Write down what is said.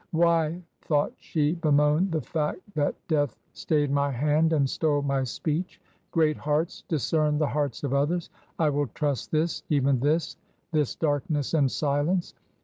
"Why," thought she, "bemoan the fact that Death stayed my hand and stole my speech? Great hearts discern the hearts of others. I will trust this — even this — this darkness and silence.